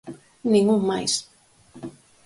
Nin un máis.